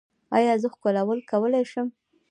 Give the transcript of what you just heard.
ایا زه ښکلول کولی شم؟